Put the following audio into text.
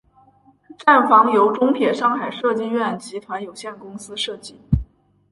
站房由中铁上海设计院集团有限公司设计。